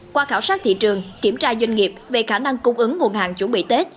qua khảo sát thị trường kiểm tra doanh nghiệp về khả năng cung ứng nguồn hàng chuẩn bị tết